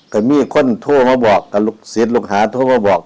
ก็มี่คนโทเพื่อบอกกับศิษย์ลูกหาโทเพื่อบอก